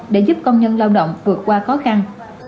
để giúp công nhân lao động vượt qua khó khăn